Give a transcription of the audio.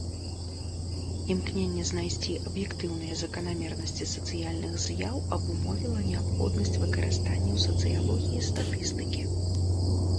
Імкненне знайсці аб'ектыўныя заканамернасці сацыяльных з'яў абумовіла неабходнасць выкарыстання ў сацыялогіі статыстыкі.